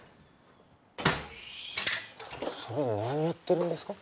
それ何やってるんですか？